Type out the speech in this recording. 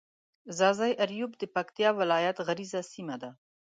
ځاځي اريوب د پکتيا ولايت غرييزه سيمه ده.